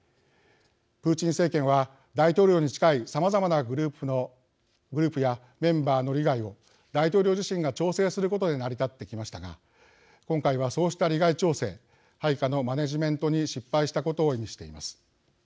プーチン政権は大統領に近いさまざまなグループやメンバーの利害を大統領自身が調整することで成り立ってきましたが今回はそうした利害調整配下のマネジメントに失敗したことを意味しています。